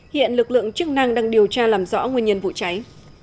hiện lực lượng chức năng đang điều tra làm rõ nguyên nhân vụ cháy